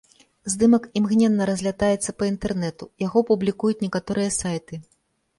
Здымак імгненна разлятаецца па інтэрнэту, яго публікуюць некаторыя сайты.